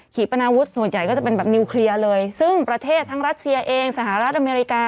ีปนาวุฒิส่วนใหญ่ก็จะเป็นแบบนิวเคลียร์เลยซึ่งประเทศทั้งรัสเซียเองสหรัฐอเมริกา